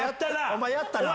お前やったな。